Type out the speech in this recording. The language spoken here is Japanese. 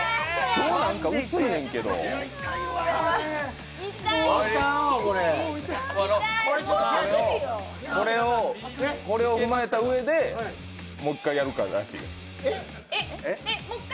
今日、なんか薄いねんけどこれを踏まえたうえで、もう１回やるからしいです。